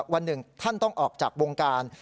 วันหนึ่งท่านต้องออกจากวงการ